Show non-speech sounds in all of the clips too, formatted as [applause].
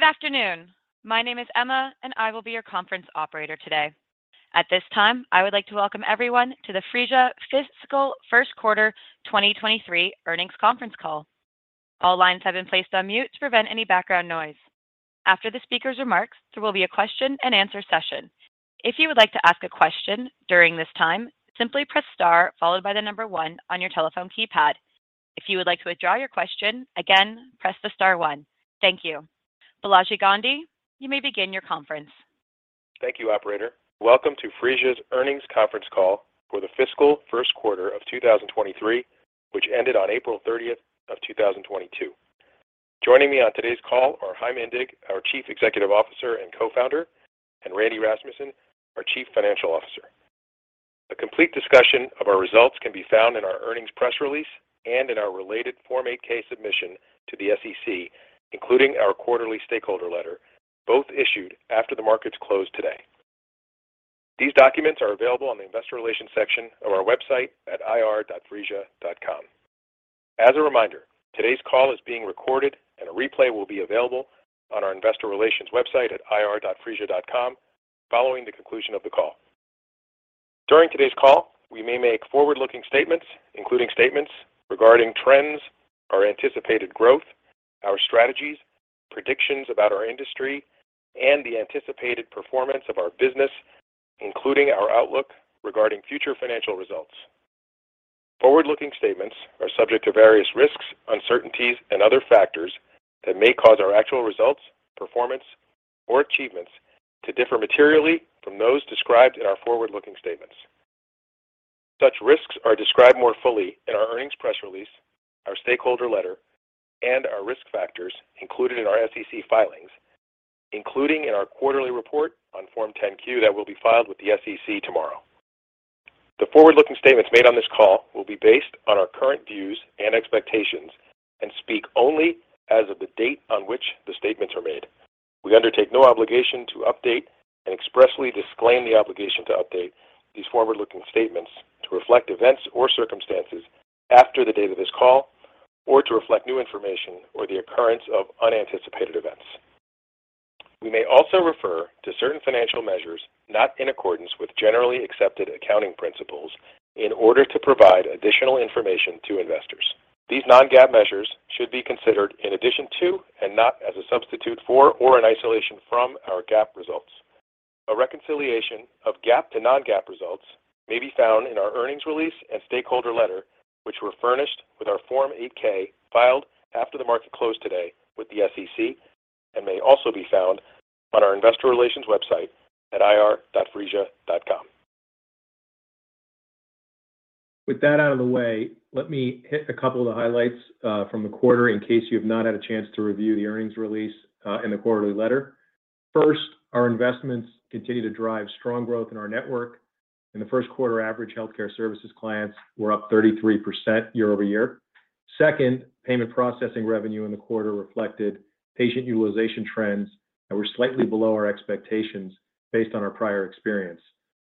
Good afternoon. My name is Emma, and I will be your conference operator today. At this time, I would like to welcome everyone to the Phreesia Fiscal First Quarter 2023 Earnings Conference Call. All lines have been placed on mute to prevent any background noise. After the speaker's remarks, there will be a question-and-answer session. If you would like to ask a question during this time, simply press star followed by the number one on your telephone keypad. If you would like to withdraw your question, again, press the star one. Thank you. Balaji Gandhi, you may begin your conference. Thank you, operator. Welcome to Phreesia's Earnings Conference Call for the fiscal first quarter of 2023, which ended on April 30, 2022. Joining me on today's call are Chaim Indig, our Chief Executive Officer and Co-founder, and Randy Rasmussen, our Chief Financial Officer. A complete discussion of our results can be found in our earnings press release and in our related Form 8-K submission to the SEC, including our quarterly stakeholder letter, both issued after the markets closed today. These documents are available on the investor relations section of our website at ir.phreesia.com. As a reminder, today's call is being recorded and a replay will be available on our investor relations website at ir.phreesia.com following the conclusion of the call. During today's call, we may make forward-looking statements, including statements regarding trends, our anticipated growth, our strategies, predictions about our industry, and the anticipated performance of our business, including our outlook regarding future financial results. Forward-looking statements are subject to various risks, uncertainties, and other factors that may cause our actual results, performance, or achievements to differ materially from those described in our forward-looking statements. Such risks are described more fully in our earnings press release, our stakeholder letter, and our risk factors included in our SEC filings, including in our quarterly report on Form 10-Q that will be filed with the SEC tomorrow. The forward-looking statements made on this call will be based on our current views and expectations and speak only as of the date on which the statements are made. We undertake no obligation to update and expressly disclaim the obligation to update these forward-looking statements to reflect events or circumstances after the date of this call or to reflect new information or the occurrence of unanticipated events. We may also refer to certain financial measures not in accordance with generally accepted accounting principles in order to provide additional information to investors. These non-GAAP measures should be considered in addition to and not as a substitute for or an isolation from our GAAP results. A reconciliation of GAAP to non-GAAP results may be found in our earnings release and stakeholder letter, which were furnished with our Form 8-K filed after the market closed today with the SEC and may also be found on our investor relations website at ir.phreesia.com. With that out of the way, let me hit a couple of the highlights from the quarter in case you have not had a chance to review the earnings release and the quarterly letter. First, our investments continue to drive strong growth in our network. In the first quarter, average healthcare services clients were up 33% year-over-year. Second, payment processing revenue in the quarter reflected patient utilization trends that were slightly below our expectations based on our prior experience.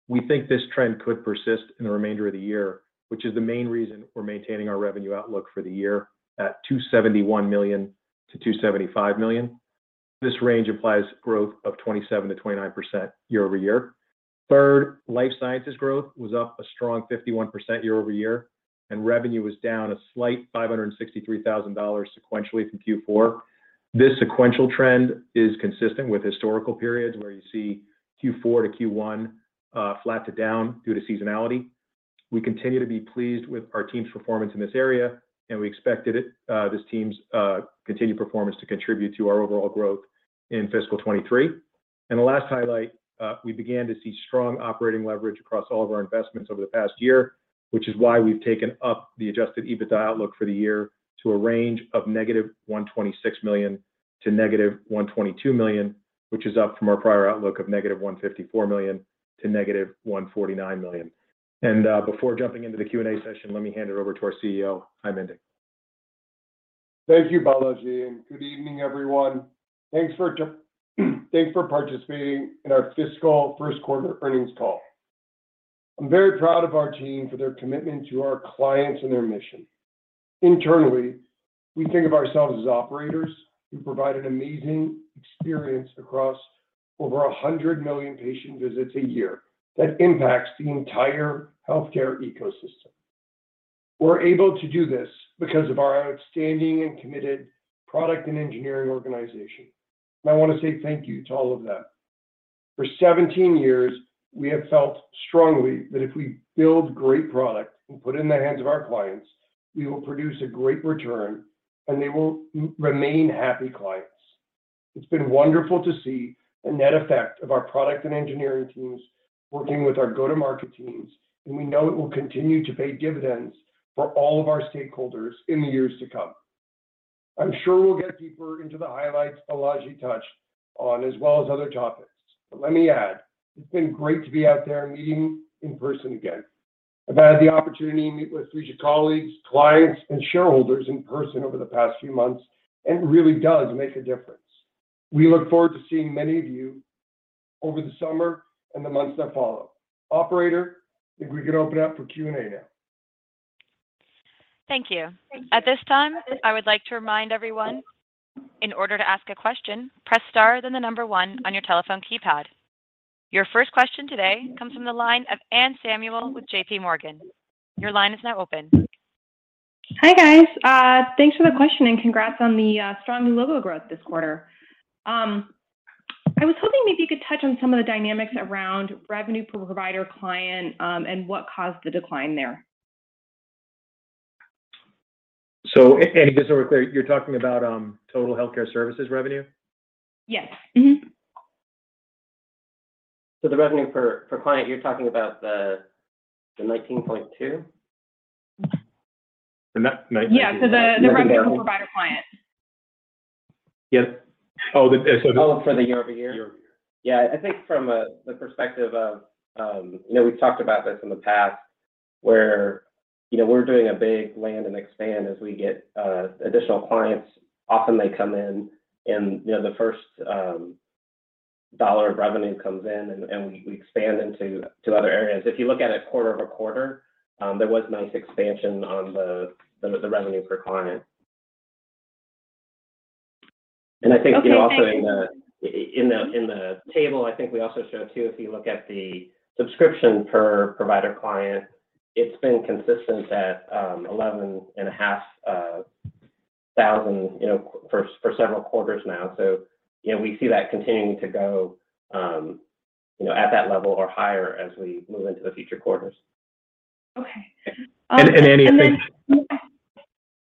We think this trend could persist in the remainder of the year, which is the main reason we're maintaining our revenue outlook for the year at $271 million-$275 million. This range implies growth of 27%-29% year-over-year. Third, life sciences growth was up a strong 51% year over year, and revenue was down a slight $563,000 sequentially from Q4. This sequential trend is consistent with historical periods where you see Q4 to Q1 flat to down due to seasonality. We continue to be pleased with our team's performance in this area, and we expected this team's continued performance to contribute to our overall growth in fiscal 2023. The last highlight, we began to see strong operating leverage across all of our investments over the past year, which is why we've taken up the adjusted EBITDA outlook for the year to a range of negative $126 million to negative $122 million, which is up from our prior outlook of negative $154 million to negative $149 million. Before jumping into the Q&A session, let me hand it over to our CEO, Chaim Indig. Thank you, Balaji, and good evening, everyone. Thanks for participating in our fiscal first quarter earnings call. I'm very proud of our team for their commitment to our clients and their mission. Internally, we think of ourselves as operators who provide an amazing experience across over 100 million patient visits a year that impacts the entire healthcare ecosystem. We're able to do this because of our outstanding and committed product and engineering organization. I want to say thank you to all of them. For 17 years, we have felt strongly that if we build great product and put it in the hands of our clients, we will produce a great return, and they will remain happy clients. It's been wonderful to see the net effect of our product and engineering teams working with our go-to-market teams, and we know it will continue to pay dividends for all of our stakeholders in the years to come. I'm sure we'll get deeper into the highlights Balaji touched on as well as other topics. Let me add, it's been great to be out there meeting in person again. I've had the opportunity to meet with Phreesia colleagues, clients, and shareholders in person over the past few months, and it really does make a difference. We look forward to seeing many of you over the summer and the months that follow. Operator, I think we can open up for Q&A now. Thank you. Thank you. At this time, I would like to remind everyone, in order to ask a question, press star then the number one on your telephone keypad. Your first question today comes from the line of Anne Samuel with JP Morgan. Your line is now open. Hi, guys. Thanks for the question, and congrats on the strong logo growth this quarter. I was hoping maybe you could touch on some of the dynamics around revenue per provider client, and what caused the decline there. Annie, just so we're clear, you're talking about total healthcare services revenue? Yes. Mm-hmm. The revenue per client, you're talking about the $19.2? The nine- $19.2. [crosstalk] Yeah, the revenue per provider-client. Yes. Oh, for the year-over-year. Year-over-year. Yeah. I think from the perspective of, you know, we've talked about this in the past where, you know, we're doing a big land and expand as we get additional clients. Often they come in and, you know, the first dollar of revenue comes in and we expand into other areas. If you look at it quarter-over-quarter, there was nice expansion on the revenue per client. I think, you know, also in the- Okay, thank you. In the table, I think we also show, too, if you look at the subscription per provider client, it's been consistent at $11,500, you know, for several quarters now. You know, we see that continuing to go at that level or higher as we move into the future quarters. Okay. Annie, I think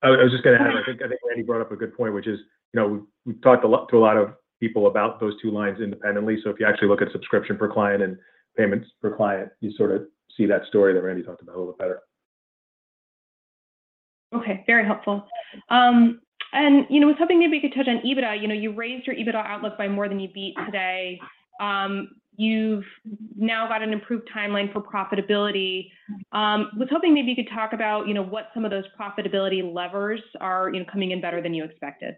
I was just gonna add. I think Randy brought up a good point, which is, you know, we've talked a lot to a lot of people about those two lines independently. If you actually look at subscription per client and payments per client, you sort of see that story that Randy talked about a little bit better. Okay. Very helpful. You know, I was hoping maybe you could touch on EBITDA. You know, you raised your EBITDA outlook by more than you beat today. You've now got an improved timeline for profitability. Was hoping maybe you could talk about, you know, what some of those profitability levers are, you know, coming in better than you expected.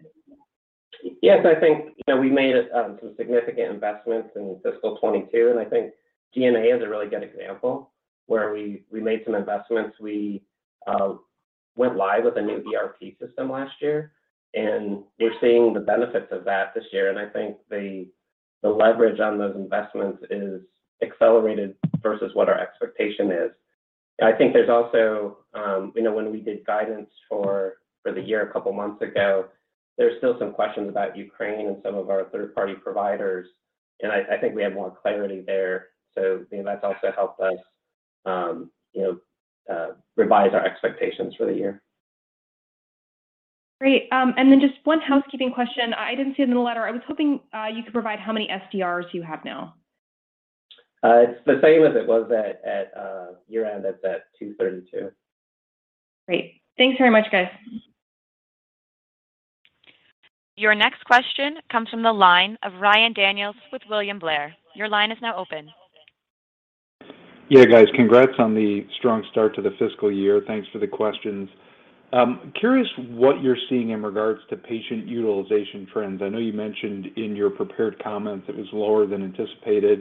Yes. I think, you know, we made some significant investments in fiscal 2022, and I think G&A is a really good example where we made some investments. We went live with a new ERP system last year, and we're seeing the benefits of that this year, and I think the leverage on those investments is accelerated versus what our expectation is. I think there's also, you know, when we did guidance for the year a couple months ago, there's still some questions about Ukraine and some of our third-party providers, and I think we have more clarity there. That's also helped us, you know, revise our expectations for the year. Great. Just one housekeeping question. I didn't see it in the letter. I was hoping you could provide how many SDRs you have now. It's the same as it was at year-end. It's at 232. Great. Thanks very much, guys. Your next question comes from the line of Ryan Daniels with William Blair. Your line is now open. Yeah, guys. Congrats on the strong start to the fiscal year. Thanks for the questions. Curious what you're seeing in regards to patient utilization trends. I know you mentioned in your prepared comments it was lower than anticipated.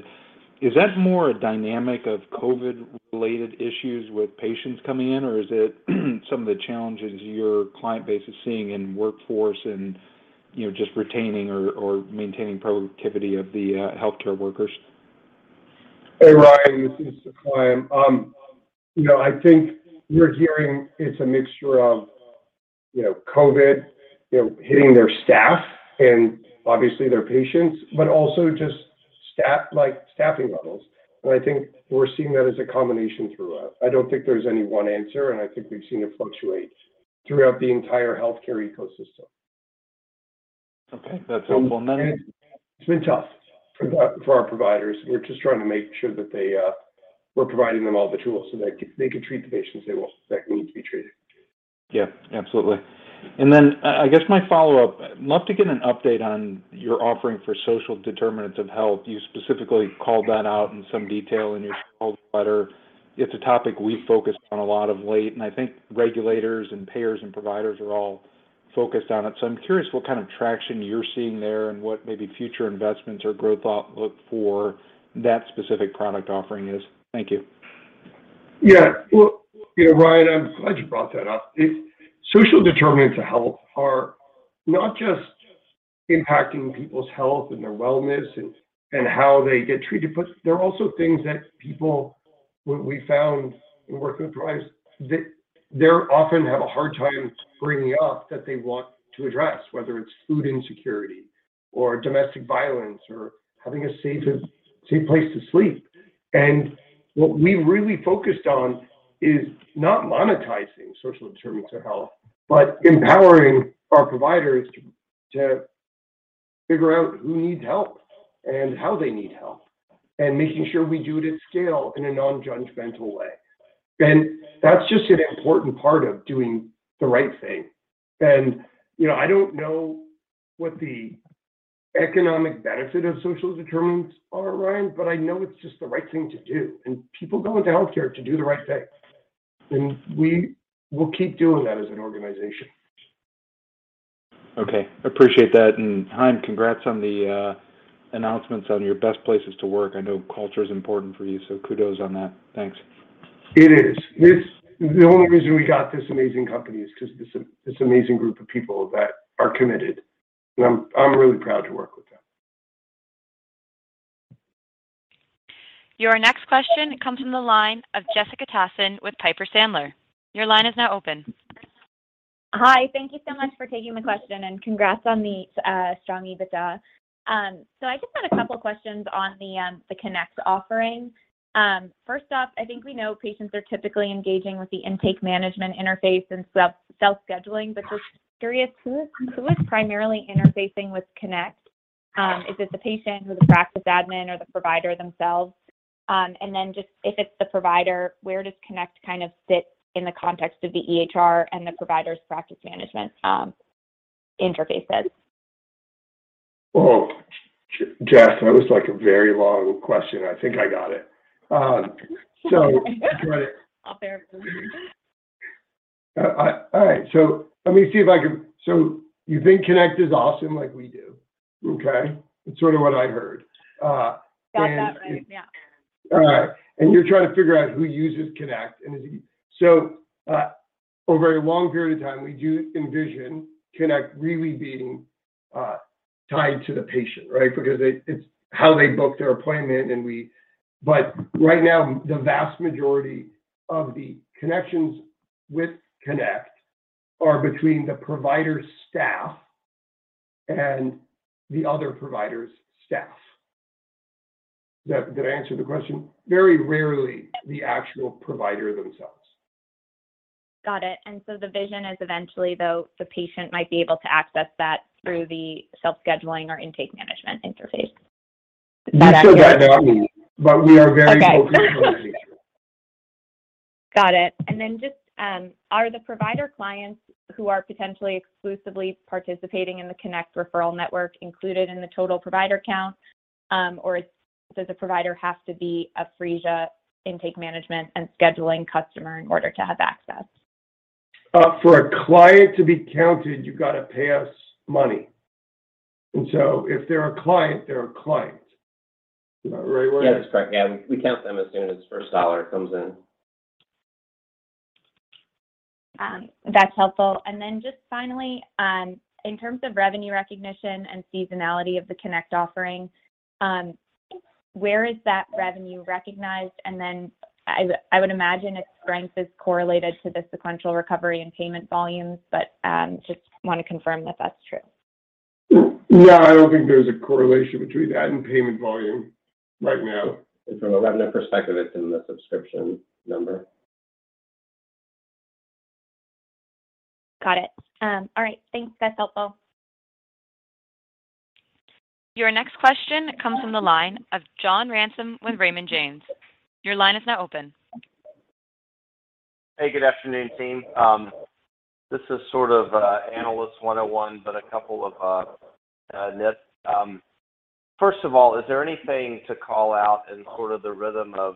Is that more a dynamic of COVID-related issues with patients coming in, or is it some of the challenges your client base is seeing in workforce and, you know, just retaining or maintaining productivity of the healthcare workers? Hey, Ryan, this is Chaim Indig. You know, I think we're hearing it's a mixture of, you know, COVID, you know, hitting their staff and obviously their patients, but also just like staffing levels. I think we're seeing that as a combination throughout. I don't think there's any one answer, and I think we've seen it fluctuate throughout the entire healthcare ecosystem. Okay. That's helpful. It's been tough for our providers. We're just trying to make sure that they, we're providing them all the tools so they can treat the patients they will, that need to be treated. Yeah, absolutely. I guess my follow-up, love to get an update on your offering for social determinants of health. You specifically called that out in some detail in your letter. It's a topic we focused on a lot lately, and I think regulators and payers and providers are all focused on it. I'm curious what kind of traction you're seeing there and what maybe future investments or growth outlook for that specific product offering is. Thank you. Yeah. Well, you know, Ryan, I'm glad you brought that up. Social determinants of health are not just impacting people's health and their wellness and how they get treated, but they're also things that people, what we found in working with providers, they often have a hard time bringing up that they want to address, whether it's food insecurity, or domestic violence, or having a safe place to sleep. What we really focused on is not monetizing social determinants of health, but empowering our providers to figure out who needs help and how they need help, and making sure we do it at scale in a non-judgmental way. That's just an important part of doing the right thing. You know, I don't know what the economic benefit of social determinants are, Ryan, but I know it's just the right thing to do. People go into healthcare to do the right thing, and we will keep doing that as an organization. Okay. Appreciate that. Chaim, congrats on the announcements on your best places to work. I know culture is important for you, so kudos on that. Thanks. It is. The only reason we got this amazing company is because this amazing group of people that are committed, and I'm really proud to work with them. Your next question comes from the line of Jessica Tassan with Piper Sandler. Your line is now open. Hi. Thank you so much for taking the question, and congrats on the strong EBITDA. So I just had a couple questions on the Connect offering. First off, I think we know patients are typically engaging with the intake management interface and self-scheduling, but just curious, who is primarily interfacing with Connect? Is it the patient or the practice admin or the provider themselves? And then just if it's the provider, where does Connect kind of sit in the context of the EHR and the provider's practice management interfaces? Oh, Jess, that was like a very long question. I think I got it. I'll paraphrase. All right. You think Connect is awesome like we do. Okay? That's sort of what I heard. Got that right. Yeah. All right. You're trying to figure out who uses Connect. Over a long period of time, we do envision Connect really being tied to the patient, right? Because it's how they book their appointment. Right now, the vast majority of the connections with Connect are between the provider's staff and the other provider's staff. Did I answer the question? Very rarely the actual provider themselves. Got it. The vision is eventually, though, the patient might be able to access that through the self-scheduling or intake management interface. We sure hope that happens, but we are [crosstalk] very focused on the patient. Okay. Got it. Just, are the provider clients who are potentially exclusively participating in the Connect referral network included in the total provider count, or does the provider have to be a Phreesia intake management and scheduling customer in order to have access? For a client to be counted, you gotta pay us money. If they're a client, they're a client. Am I right, Randy? Yeah, that's correct. Yeah. We count them as soon as the first dollar comes in. That's helpful. Just finally, in terms of revenue recognition and seasonality of the Connect offering, where is that revenue recognized? I would imagine its strength is correlated to the sequential recovery and payment volumes, but just wanna confirm if that's true. No, I don't think there's a correlation between that and payment volume right now. From a revenue perspective, it's in the subscription number. Got it. All right. Thanks. That's helpful. Your next question comes from the line of John Ransom with Raymond James. Your line is now open. Hey, good afternoon, team. This is sort of analyst one-on-one, but a couple of nits. First of all, is there anything to call out in sort of the rhythm of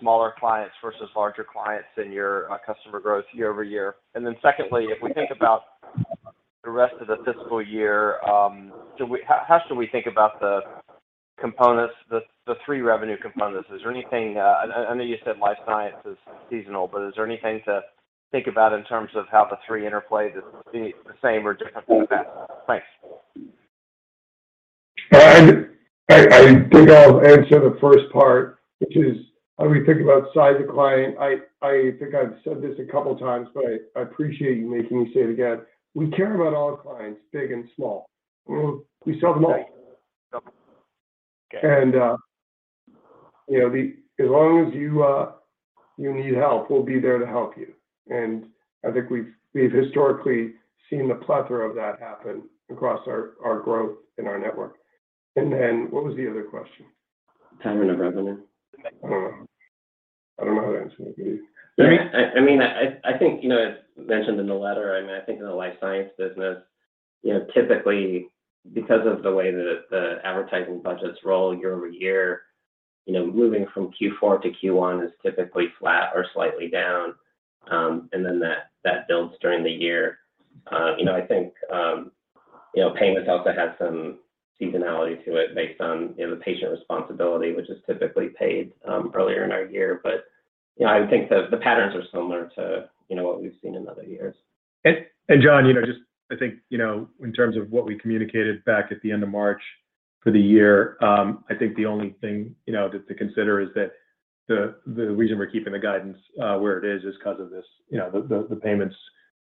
smaller clients versus larger clients in your customer growth year-over-year? And then secondly, if we think about the rest of the fiscal year, how should we think about the components, the three revenue components? I know you said life science is seasonal, but is there anything to think about in terms of how the three interplay to be the same or different from that? Thanks. I think I'll answer the first part, which is how do we think about size of client. I think I've said this a couple times, but I appreciate you making me say it again. We care about all clients, big and small. We sell to them all. Right. Okay. You know, as long as you need help, we'll be there to help you. I think we've historically seen the plethora of that happen across our growth in our network. Then what was the other question? Timing of revenue. Oh. I don't know how that's going to be. I mean, I think, you know, as mentioned in the letter, I mean, I think in the life science business, you know, typically, because of the way that the advertising budgets roll year-over-year, you know, moving from Q4 to Q1 is typically flat or slightly down. That builds during the year. You know, I think, you know, payments also have some seasonality to it based on, you know, the patient responsibility, which is typically paid earlier in our year. You know, I would think the patterns are similar to, you know, what we've seen in other years. John, you know, just I think, you know, in terms of what we communicated back at the end of March for the year, I think the only thing, you know, to consider is that the reason we're keeping the guidance where it is is 'cause of this, you know, the payments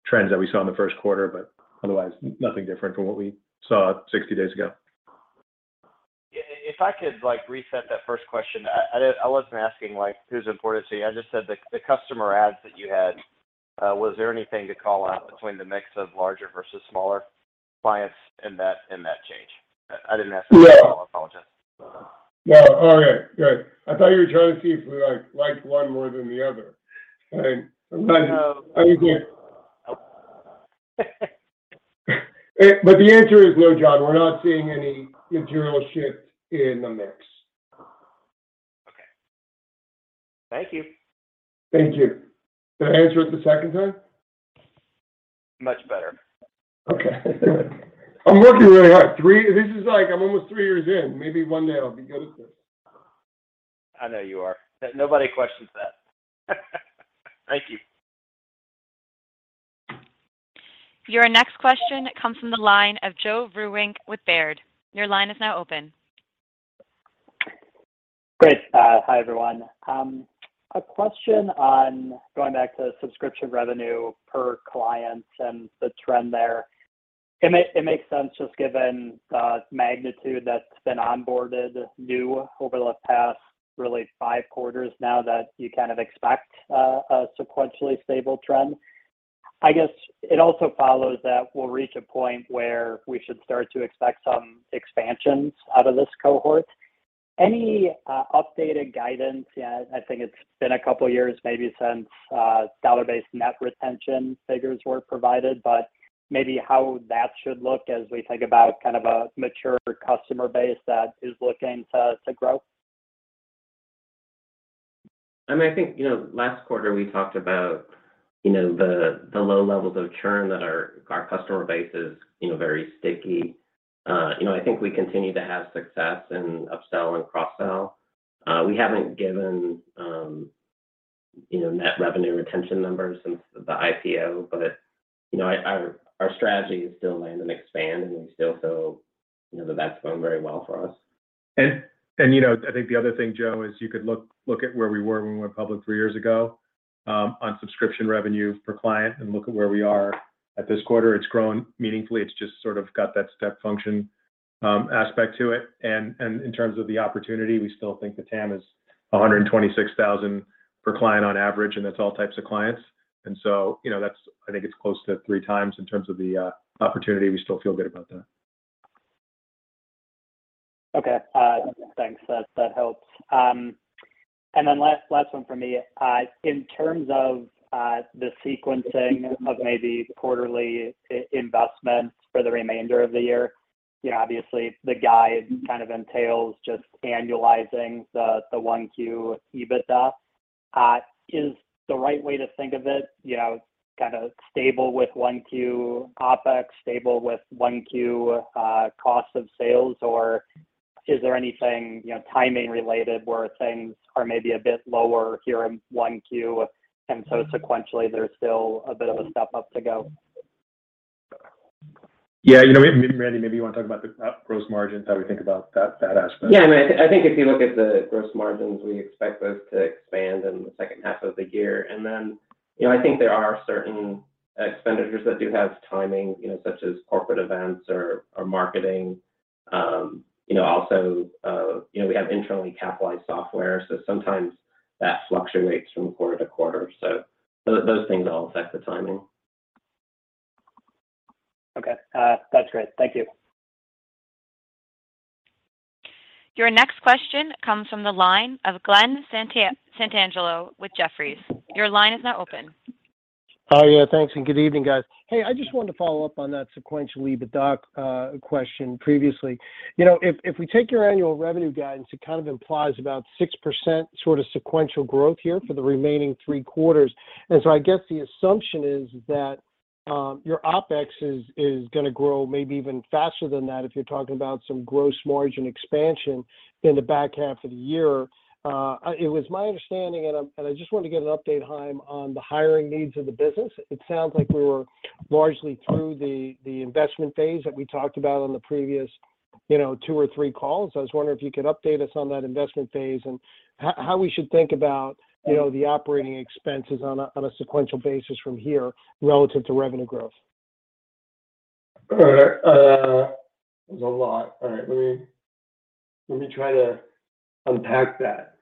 trends that we saw in the first quarter, but otherwise nothing different from what we saw 60 days ago. If I could, like, reset that first question. I didn't. I wasn't asking, like, who's important to you. I just said the customer adds that you had, was there anything to call out between the mix of larger versus smaller clients in that change? I didn't ask that at all. I apologize. No. Oh, okay. Good. I thought you were trying to see if we, like, liked one more than the other. Right? No. The answer is no, John. We're not seeing any material shift in the mix. Thank you. Thank you. Did I answer it the second time? Much better. Okay. I'm working really hard. This is like I'm almost 3 years in. Maybe one day I'll be good at this. I know you are. Nobody questions that. Thank you. Your next question comes from the line of Joe Vruwink with Baird. Your line is now open. Great. Hi, everyone. A question on going back to subscription revenue per client and the trend there. It makes sense just given the magnitude that's been onboarded new over the past really five quarters now that you kind of expect a sequentially stable trend. I guess it also follows that we'll reach a point where we should start to expect some expansions out of this cohort. Any updated guidance, yeah, I think it's been a couple of years maybe since dollar-based net retention figures were provided, but maybe how that should look as we think about kind of a mature customer base that is looking to grow. I mean, I think, you know, last quarter we talked about, you know, the low levels of churn that our customer base is, you know, very sticky. You know, I think we continue to have success in upsell and cross-sell. We haven't given, you know, net revenue retention numbers since the IPO, but, you know, our strategy is still land and expand, and we still feel, you know, that that's going very well for us. You know, I think the other thing, Joe, is you could look at where we were when we went public 3 years ago on subscription revenue per client and look at where we are at this quarter. It's grown meaningfully. It's just sort of got that step function aspect to it. In terms of the opportunity, we still think the TAM is $126,000 per client on average, and that's all types of clients. You know, that's. I think it's close to 3x in terms of the opportunity. We still feel good about that. Okay. Thanks. That helps. Last one for me. In terms of the sequencing of maybe quarterly capex investments for the remainder of the year, you know, obviously the guide kind of entails just annualizing the 1Q EBITDA. Is the right way to think of it, you know, kind of stable with 1Q OpEx, stable with 1Q cost of sales, or is there anything, you know, timing related where things are maybe a bit lower here in 1Q, and so sequentially there's still a bit of a step-up to go? Yeah. You know, Randy, maybe you want to talk about the gross margins, how we think about that aspect. Yeah. I mean, I think if you look at the gross margins, we expect those to expand in the second half of the year. Then, you know, I think there are certain expenditures that do have timing, you know, such as corporate events or marketing. You know, also, you know, we have internally capitalized software, so sometimes that fluctuates from quarter to quarter. Those things all affect the timing. Okay. That's great. Thank you. Your next question comes from the line of Glen Santangelo with Jefferies. Your line is now open. Oh, yeah. Thanks, and good evening, guys. Hey, I just wanted to follow up on that sequential EBITDA question previously. You know, if we take your annual revenue guidance, it kind of implies about 6% sort of sequential growth here for the remaining three quarters. I guess the assumption is that your OpEx is gonna grow maybe even faster than that if you're talking about some gross margin expansion in the back half of the year. It was my understanding, and I just wanted to get an update, Chaim, on the hiring needs of the business. It sounds like we were largely through the investment phase that we talked about on the previous, you know, two or three calls. I was wondering if you could update us on that investment phase and how we should think about, you know, the operating expenses on a sequential basis from here relative to revenue growth? There's a lot. All right. Let me try to unpack that.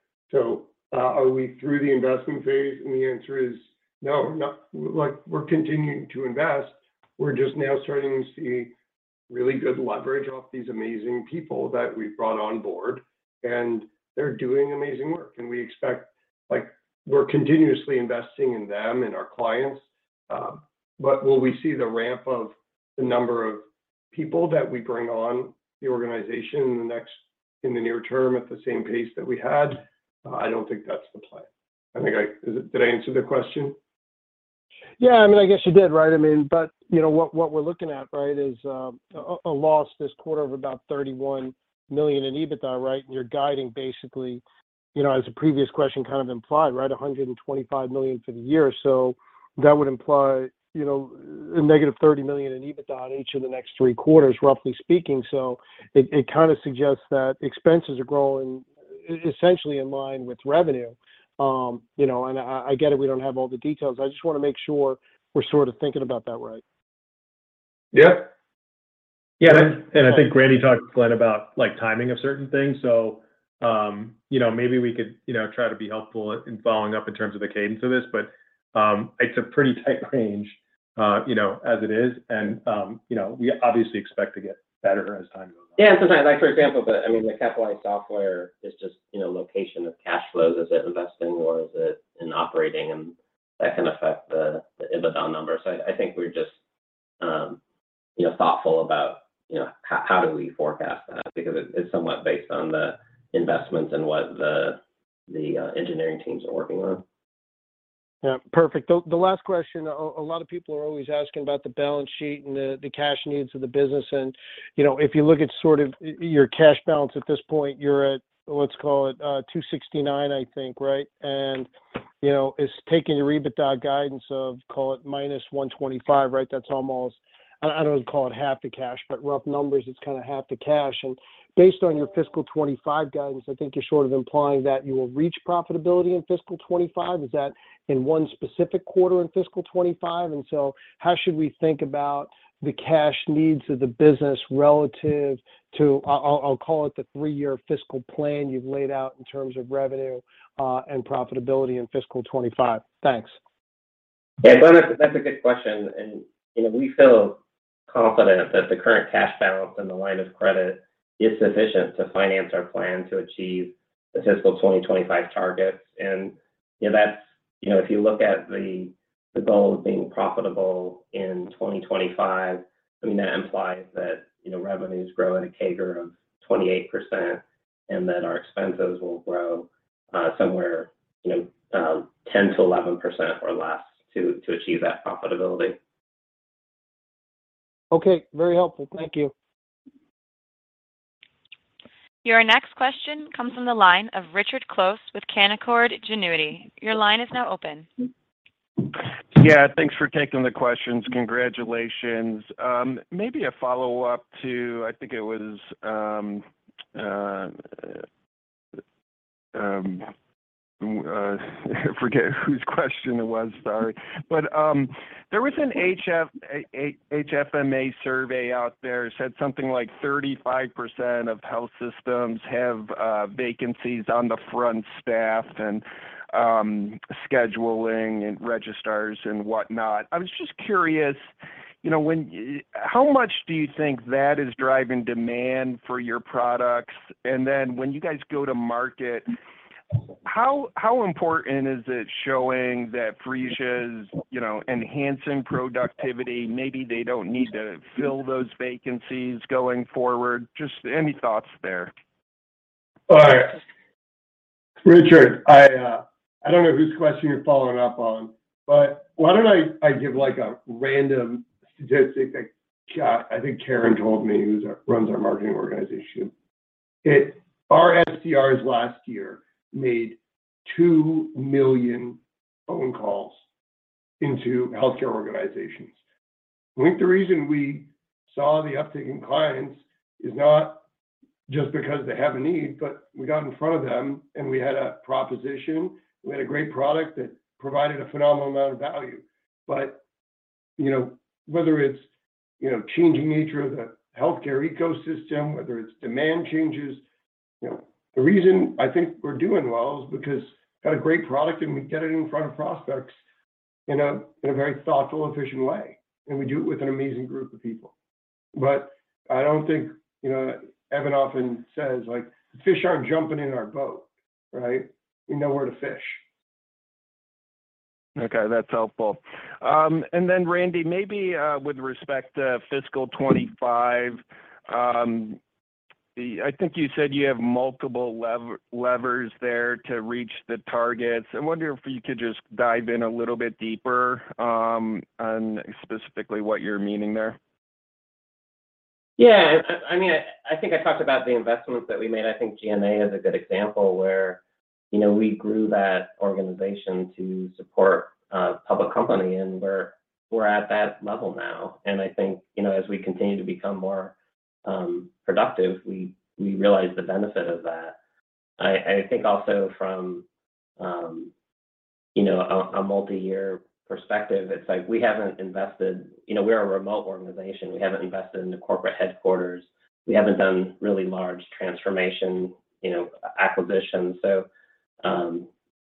Are we through the investment phase? The answer is no. Like, we're continuing to invest. We're just now starting to see really good leverage off these amazing people that we've brought on board, and they're doing amazing work. Like, we're continuously investing in them and our clients. But will we see the ramp of the number of people that we bring on the organization in the near term at the same pace that we had? I don't think that's the plan. I think. Did I answer the question? Yeah. I mean, I guess you did, right? I mean, but, you know, what we're looking at, right, is a loss this quarter of about $31 million in EBITDA, right? You're guiding basically, you know, as the previous question kind of implied, right, $125 million for the year. That would imply, you know, a negative $30 million in EBITDA in each of the next three quarters, roughly speaking. It kinda suggests that expenses are growing essentially in line with revenue. You know, and I get it, we don't have all the details. I just wanna make sure we're sort of thinking about that right. Yeah. Yeah, I think Randy talked to Glen about, like, timing of certain things. You know, maybe we could, you know, try to be helpful in following up in terms of the cadence of this. It's a pretty tight range, you know, as it is, and, you know, we obviously expect to get better as time goes on. Yeah. Like, for example, I mean, the capitalized software is just, you know, allocation of cash flows. Is it investing or is it in operating? And that can affect the EBITDA numbers. I think we're just thoughtful about, you know, how do we forecast that because it's somewhat based on the investments and what the engineering teams are working on. Yeah. Perfect. The last question, a lot of people are always asking about the balance sheet and the cash needs of the business and, you know, if you look at sort of your cash balance at this point, you're at, let's call it, $269, I think, right? You know, it's taking your EBITDA guidance of, call it, minus $125, right? That's almost. I don't wanna call it half the cash, but rough numbers, it's kinda half the cash. Based on your fiscal 2025 guidance, I think you're sort of implying that you will reach profitability in fiscal 2025. Is that in one specific quarter in fiscal 2025? How should we think about the cash needs of the business relative to, I'll call it the three-year fiscal plan you've laid out in terms of revenue, and profitability in fiscal 2025? Thanks. Yeah. No, that's a good question. You know, we feel confident that the current cash balance and the line of credit is sufficient to finance our plan to achieve the fiscal 2025 targets. You know, that's, you know, if you look at the goal of being profitable in 2025, I mean, that implies that, you know, revenues grow at a CAGR of 28% and that our expenses will grow somewhere, you know, 10%-11% or less to achieve that profitability. Okay. Very helpful. Thank you. Your next question comes from the line of Richard Close with Canaccord Genuity. Your line is now open. Yeah. Thanks for taking the questions. Congratulations. Maybe a follow-up to, I think it was, forget whose question it was, sorry. There was a HFMA survey out there that said something like 35% of health systems have vacancies on the front staff and scheduling and registrars and whatnot. I was just curious, you know, how much do you think that is driving demand for your products? And then when you guys go to market, how important is it showing that Phreesia's enhancing productivity, maybe they don't need to fill those vacancies going forward? Just any thoughts there. All right. Richard, I don't know whose question you're following up on, but why don't I give, like, a random statistic that I think Karen told me, who runs our marketing organization. Our SDRs last year made 2 million phone calls into healthcare organizations. I think the reason we saw the uptick in clients is not just because they have a need, but we got in front of them, and we had a proposition. We had a great product that provided a phenomenal amount of value. You know, whether it's changing nature of the healthcare ecosystem, whether it's demand changes, you know, the reason I think we're doing well is because we got a great product, and we get it in front of prospects in a very thoughtful, efficient way, and we do it with an amazing group of people. I don't think, you know, Evan often says, like, "Fish aren't jumping in our boat, right? We know where to fish. Okay, that's helpful. Randy, maybe, with respect to fiscal 2025, I think you said you have multiple levers there to reach the targets. I wonder if you could just dive in a little bit deeper, on specifically what you're meaning there. Yeah. I mean, I think I talked about the investments that we made. I think G&A is a good example where, you know, we grew that organization to support a public company, and we're at that level now. I think, you know, as we continue to become more productive, we realize the benefit of that. I think also from, you know, a multi-year perspective, it's like we haven't invested. You know, we're a remote organization. We haven't invested in the corporate headquarters. We haven't done really large transformation, you know, acquisitions.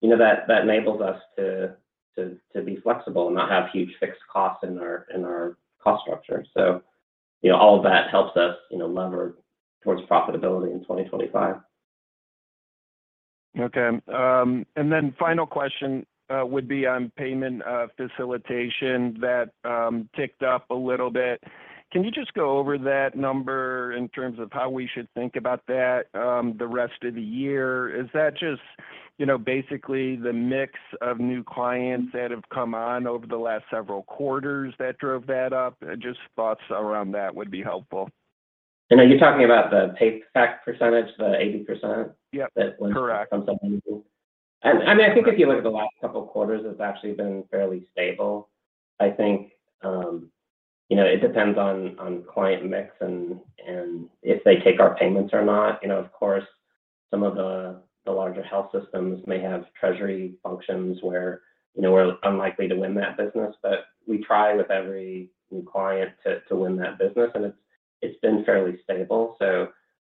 That enables us to be flexible and not have huge fixed costs in our cost structure. All of that helps us lever towards profitability in 2025. Okay. Final question would be on payment facilitation that ticked up a little bit. Can you just go over that number in terms of how we should think about that the rest of the year? Is that just, you know, basically the mix of new clients that have come on over the last several quarters that drove that up? Just thoughts around that would be helpful. Are you talking about the PayFac percentage, the 80%? Yeah. Correct. that went from something? I mean, I think if you look at the last couple quarters, it's actually been fairly stable. I think, you know, it depends on client mix and if they take our payments or not. You know, of course, some of the larger health systems may have treasury functions where, you know, we're unlikely to win that business. But we try with every new client to win that business, and it's been fairly stable.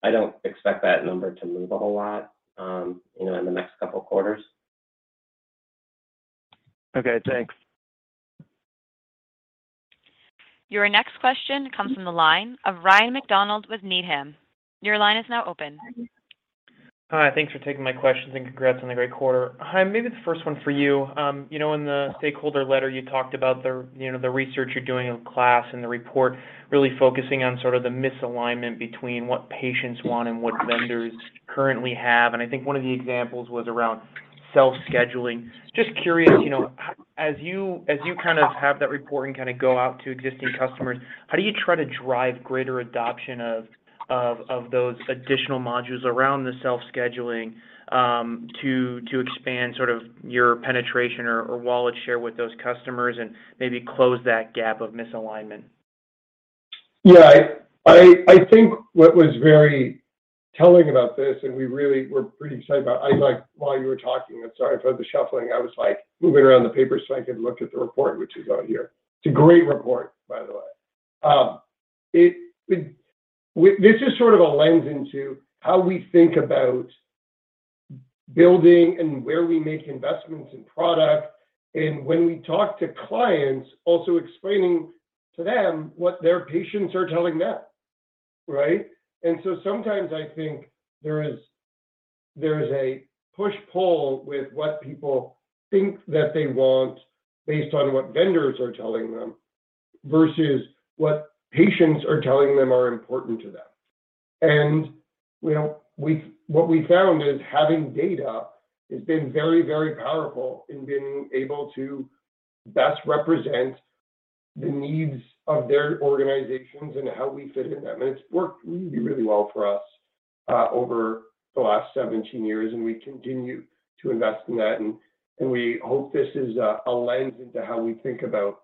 I don't expect that number to move a whole lot, you know, in the next couple quarters. Okay. Thanks. Your next question comes from the line of Ryan MacDonald with Needham & Company. Your line is now open. Hi, thanks for taking my questions, and congrats on the great quarter. Chaim, maybe the first one for you. You know, in the stakeholder letter, you talked about the, you know, the research you're doing in-house and the report really focusing on sort of the misalignment between what patients want and what vendors currently have. I think one of the examples was around self-scheduling. Just curious, you know, as you kind of have that report and kind of go out to existing customers, how do you try to drive greater adoption of those additional modules around the self-scheduling, to expand sort of your penetration or wallet share with those customers and maybe close that gap of misalignment? Yeah. I think what was very telling about this, and we really were pretty excited about. I, like, while you were talking, I'm sorry if I was shuffling. I was, like, moving around the paper so I could look at the report, which is out here. It's a great report, by the way. This is sort of a lens into how we think about building and where we make investments in product and when we talk to clients, also explaining to them what their patients are telling them, right? Sometimes I think there is a push-pull with what people think that they want based on what vendors are telling them versus what patients are telling them are important to them. You know, what we found is having data has been very, very powerful in being able to best represent the needs of their organizations and how we fit in them. It's worked really, really well for us over the last 17 years, and we continue to invest in that. We hope this is a lens into how we think about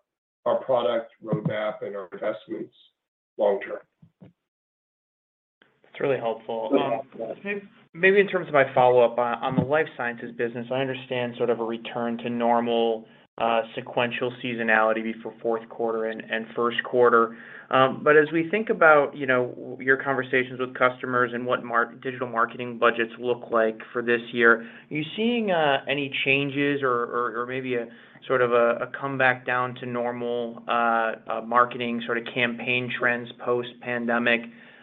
our product roadmap and our investments long term. That's really helpful. Yeah. Maybe in terms of my follow-up, on the life sciences business, I understand sort of a return to normal sequential seasonality before fourth quarter and first quarter. But as we think about, you know, your conversations with customers and what digital marketing budgets look like for this year, are you seeing any changes or maybe a sort of a comeback down to normal marketing sort of campaign trends post-pandemic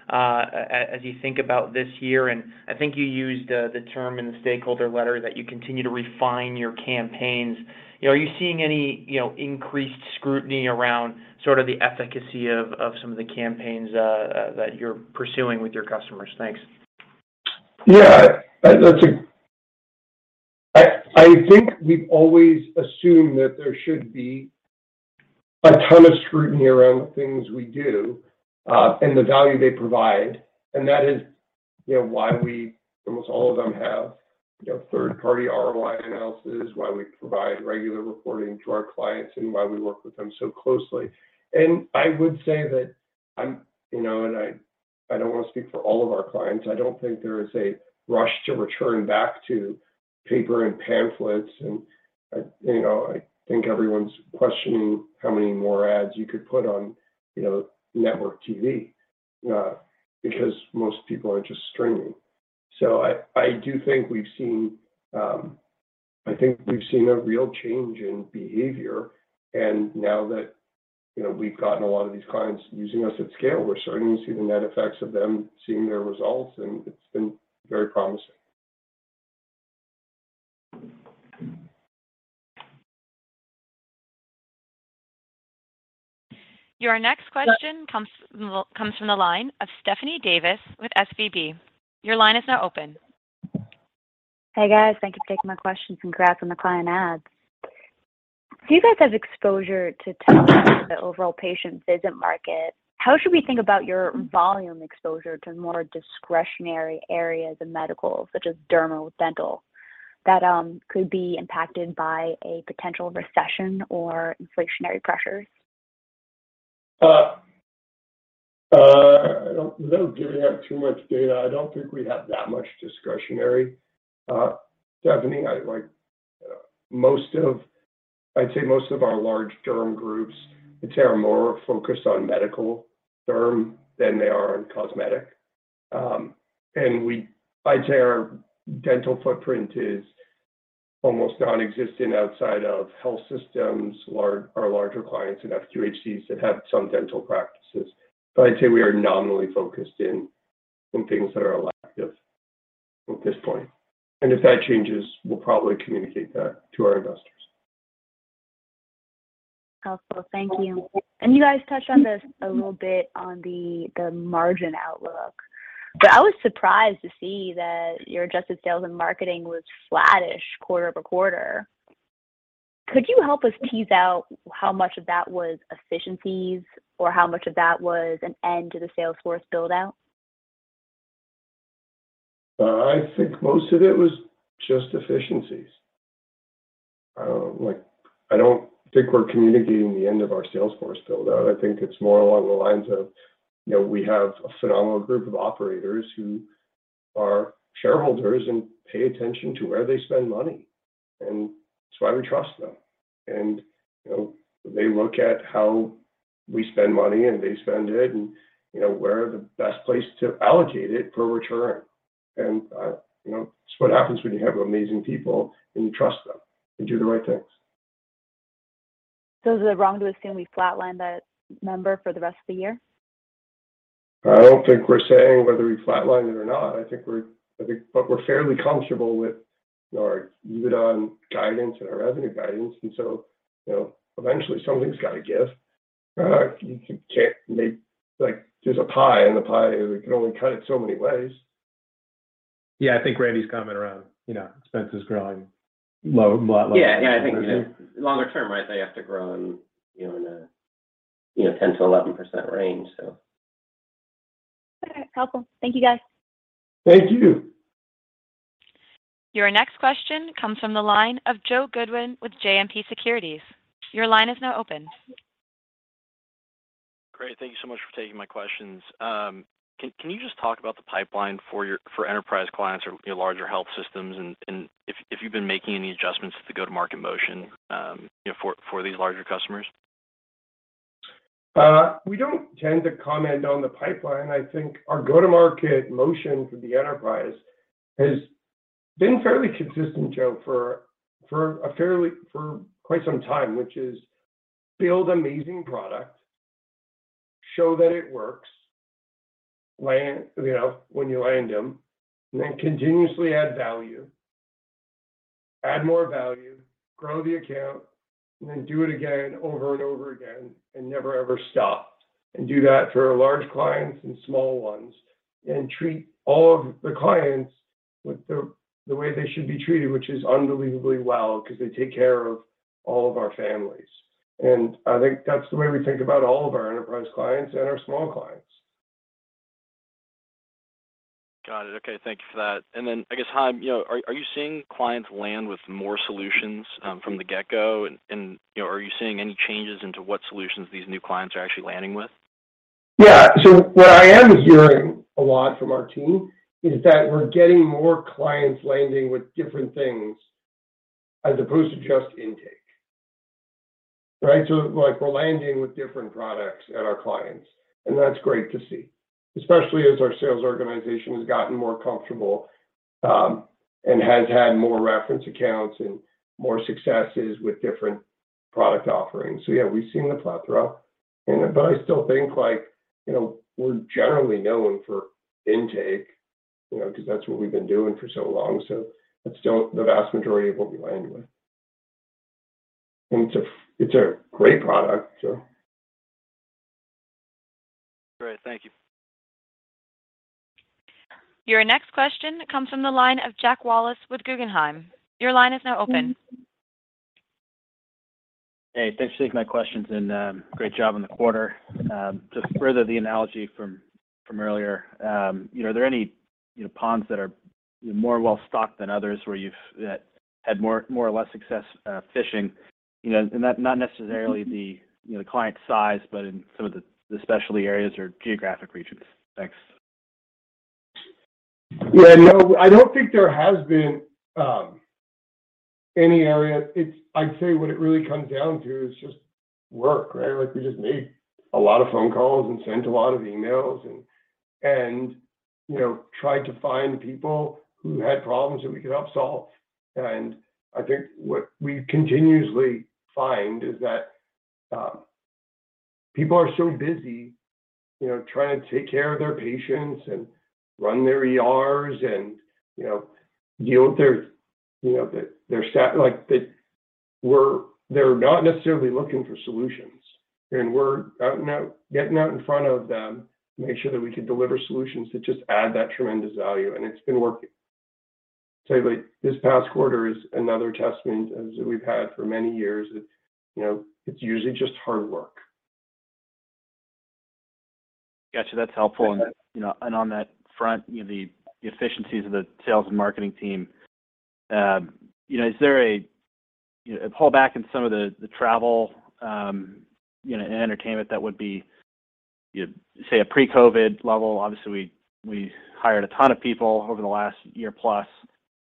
as you think about this year? I think you used the term in the shareholder letter that you continue to refine your campaigns. You know, are you seeing any increased scrutiny around sort of the efficacy of some of the campaigns that you're pursuing with your customers? Thanks. Yeah. I think we've always assumed that there should be a ton of scrutiny around the things we do and the value they provide. That is, you know, why almost all of them have, you know, third-party ROI analysis, why we provide regular reporting to our clients and why we work with them so closely. I would say that I don't wanna speak for all of our clients. I don't think there is a rush to return back to paper and pamphlets and, you know, I think everyone's questioning how many more ads you could put on network TV because most people are just streaming. I do think we've seen a real change in behavior. Now that, you know, we've gotten a lot of these clients using us at scale, we're starting to see the net effects of them seeing their results, and it's been very promising. Your next question comes from the line of Stephanie Davis with SVB. Your line is now open. Hey, guys. Thank you for taking my questions and congrats on the client ads. Do you guys have exposure to the overall patient visit market? How should we think about your volume exposure to more discretionary areas of medical, such as derma, dental, that could be impacted by a potential recession or inflationary pressures? We don't really have too much data. I don't think we have that much discretionary. Stephanie, like, most of our large derm groups, I'd say are more focused on medical derm than they are on cosmetic. I'd say our dental footprint is almost nonexistent outside of health systems, our larger clients and FQHCs that have some dental practices. We are nominally focused in things that are elective at this point. If that changes, we'll probably communicate that to our investors. Helpful. Thank you. You guys touched on this a little bit on the margin outlook, but I was surprised to see that your adjusted sales and marketing was flattish quarter-over-quarter. Could you help us tease out how much of that was efficiencies or how much of that was an end to the Salesforce build-out? I think most of it was just efficiencies. Like, I don't think we're communicating the end of our Salesforce build-out. I think it's more along the lines of, you know, we have a phenomenal group of operators who are shareholders and pay attention to where they spend money, and that's why we trust them. You know, they look at how we spend money, and they spend it and, you know, where the best place to allocate it for a return. You know, it's what happens when you have amazing people, and you trust them. They do the right things. Is it wrong to assume we flatline that number for the rest of the year? I don't think we're saying whether we flatline it or not. I think, but we're fairly comfortable with our outlook and our revenue guidance. You know, eventually something's gotta give. Like, there's a pie, and the pie, we can only cut it so many ways. Yeah, I think Randy's comment around, you know, expenses growing a lot lower. Yeah, I think, you know, longer term, right, they have to grow in, you know, in a, you know, 10%-11% range so. All right. Helpful. Thank you, guys. Thank you. Your next question comes from the line of Joe Goodwin with JMP Securities. Your line is now open. Great. Thank you so much for taking my questions. Can you just talk about the pipeline for enterprise clients or, you know, larger health systems and if you've been making any adjustments to go-to-market motion, you know, for these larger customers? We don't tend to comment on the pipeline. I think our go-to-market motion for the enterprise has been fairly consistent, Joe, for quite some time, which is build amazing product, show that it works, land, you know, when you land them, and then continuously add value, add more value, grow the account, and then do it again over and over again and never ever stop. Do that for our large clients and small ones, and treat all of the clients with the way they should be treated, which is unbelievably well because they take care of all of our families. I think that's the way we think about all of our enterprise clients and our small clients. Got it. Okay, thank you for that. I guess, Chaim, you know, are you seeing clients land with more solutions, from the get-go? You know, are you seeing any changes into what solutions these new clients are actually landing with? Yeah. What I am hearing a lot from our team is that we're getting more clients landing with different things as opposed to just intake. Right? Like we're landing with different products at our clients, and that's great to see, especially as our sales organization has gotten more comfortable, and has had more reference accounts and more successes with different product offerings. Yeah, we've seen the plethora. I still think like, you know, we're generally known for intake, you know, because that's what we've been doing for so long. That's still the vast majority of what we land with. It's a great product, so. Great. Thank you. Your next question comes from the line of Jack Wallace with Guggenheim. Your line is now open. Hey, thanks for taking my questions and great job on the quarter. To further the analogy from earlier, you know, are there any, you know, ponds that are more well-stocked than others where you've had more or less success fishing, you know? Not necessarily the client size, but in some of the specialty areas or geographic regions. Thanks. Yeah, no, I don't think there has been any area. I'd say what it really comes down to is just work, right? Like, we just made a lot of phone calls and sent a lot of emails and, you know, tried to find people who had problems that we could help solve. I think what we continuously find is that people are so busy, you know, trying to take care of their patients and run their ERs and, you know, deal with their, you know, their like, that they're not necessarily looking for solutions. We're out now, getting out in front of them to make sure that we can deliver solutions to just add that tremendous value, and it's been working. Like this past quarter is another testament as we've had for many years that, you know, it's usually just hard work. Got you. That's helpful. You know, on that front, you know, the efficiencies of the sales and marketing team. You know, is there a pull back in some of the travel and entertainment that would be, you know, say, a pre-COVID level? Obviously, we hired a ton of people over the last year plus,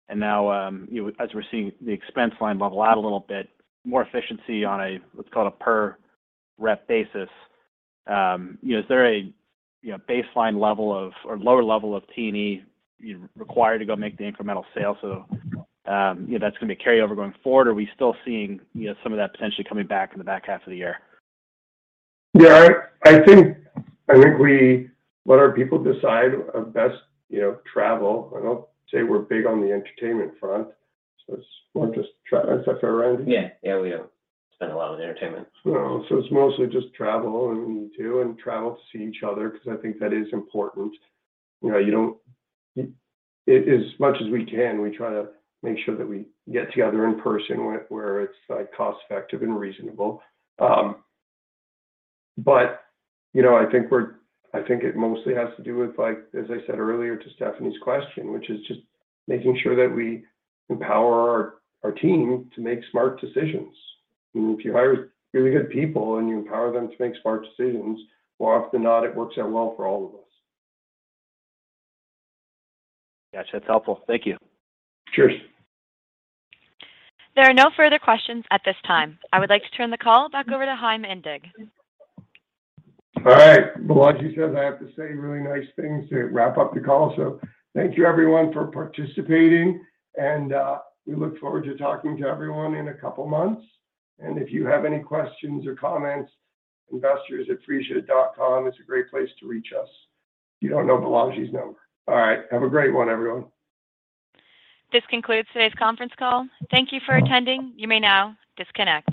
and now, you know, as we're seeing the expense line level out a little bit, more efficiency on a, let's call it a per rep basis. You know, is there a baseline level of or lower level of T&E required to go make the incremental sale? You know, that's gonna be carryover going forward. Are we still seeing, you know, some of that potentially coming back in the back half of the year? Yeah. I think we let our people decide what's best, you know, travel. I don't say we're big on the entertainment front, so it's more just travel. Is that fair, Randy? Yeah. Yeah, we don't spend a lot on entertainment. No. It's mostly just travel in Q2 and travel to see each other because I think that is important. You know, as much as we can, we try to make sure that we get together in person where it's, like, cost-effective and reasonable. You know, I think it mostly has to do with, like, as I said earlier to Stephanie's question, which is just making sure that we empower our team to make smart decisions. I mean, if you hire really good people and you empower them to make smart decisions, more often than not, it works out well for all of us. Gotcha. That's helpful. Thank you. Cheers. There are no further questions at this time. I would like to turn the call back over to Chaim Indig. All right. Balaji says I have to say really nice things to wrap up the call, so thank you everyone for participating, and we look forward to talking to everyone in a couple months. If you have any questions or comments, investors@phreesia.com is a great place to reach us. If you don't know Balaji's number. All right. Have a great one, everyone. This concludes today's conference call. Thank you for attending. You may now disconnect.